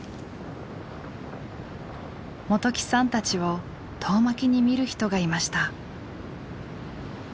元起さんたちを遠巻きに見る人がいました。